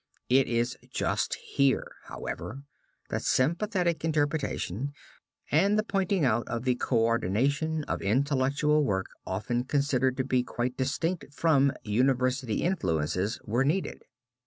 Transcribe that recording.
It is just here, however, that sympathetic interpretation and the pointing out of the coordination of intellectual work often considered to be quite distinct from university influences were needed.